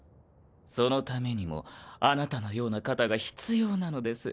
そのためにもあなたのような方が必要なのです。